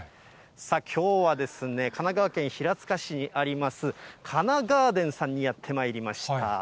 きょうは神奈川県平塚市にあります、花菜ガーデンさんにやってまいりました。